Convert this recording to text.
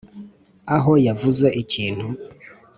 aho yavuze ikintu